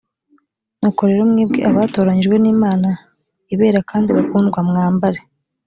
nuko rero mwebwe abatoranyijwe n imana i bera kandi bakundwa mwambare